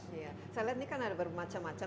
saya lihat ini kan ada bermacam macam